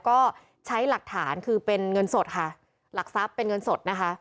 ก็ใช้หลักฐานคือเป็นเงินสดค่ะหลักทรัพย์เป็นเงินสดนะคะ